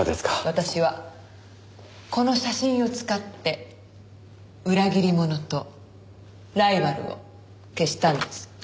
私はこの写真を使って裏切り者とライバルを消したんです。